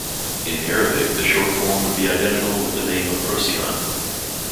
In Arabic, the short form would be identical with the name of Procyon.